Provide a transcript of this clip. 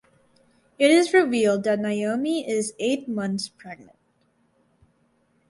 It is revealed that Naomi is eight months pregnant.